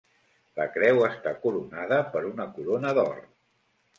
La creu està coronada per una corona d'or.